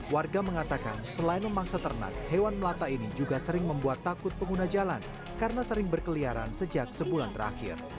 warga mengatakan selain memangsa ternak hewan melata ini juga sering membuat takut pengguna jalan karena sering berkeliaran sejak sebulan terakhir